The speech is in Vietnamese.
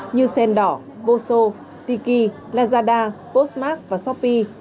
như sen đỏ voso tiki lazada postmark và shopee